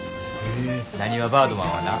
なにわバードマンはな